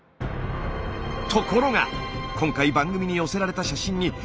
ところが今回番組に寄せられた写真にこんなものが。